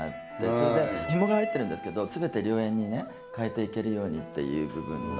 それでひもが入ってるんですけど全て良縁に変えていけるようにっていう部分の。